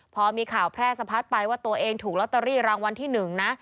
พอมีข่าวแพร่สะพัดไปว่าตัวเองถูกลอตเตอรี่รางวัลที่๑นะ